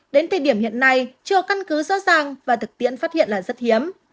đến thời điểm hiện nay chưa căn cứ rõ ràng và thực tiễn phát hiện là rất hiếm